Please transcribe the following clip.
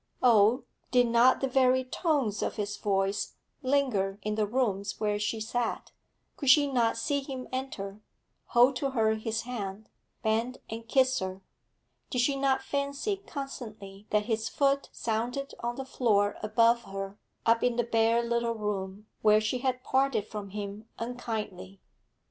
Oh, did not the very tones of his voice linger in the rooms where she sat? Could she not see him enter, hold to her his hand, bend and kiss her? Did she not fancy constantly that his foot sounded on the floor above her, up in the bare little room, where she had parted from him unkindly?